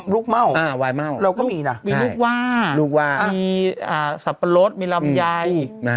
ลูกเม่าเราก็มีนะมีลูกว่ามีสับปะรดมีลำยาย